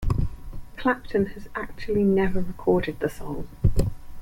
Clapton has actually never recorded the song.